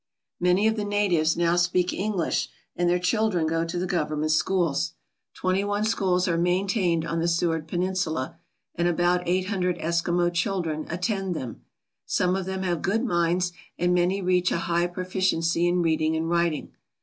Many of the natives now speak English, and their children go to the government schools. Twenty one schools are maintained on the Seward Peninsula, and about eight hundred Eskimo children attend them. Some of them have good minds and many reach a high profi ciency in reading and writing.